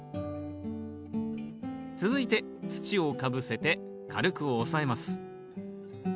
続いて土をかぶせて軽く押さえます。